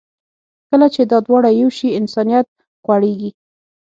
کله چې دا دواړه یو شي، انسانیت غوړېږي.